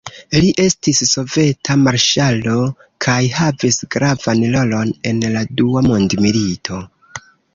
Li estis soveta marŝalo kaj havis gravan rolon en la dua mondmilito.